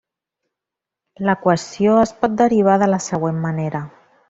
L'equació es pot derivar de la següent manera.